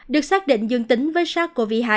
được xác định dương tính với sars cov hai